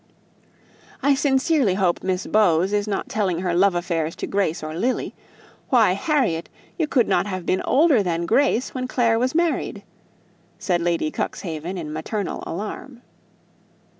"I sincerely hope Miss Bowes is not telling her love affairs to Grace or Lily. Why, Harriet, you could not have been older than Grace when Clare was married!" said Lady Cuxhaven, in maternal alarm.